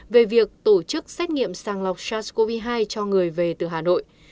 về việc tổ chức xét nghiệm sàng lọc sars cov hai cho người về từ hà nội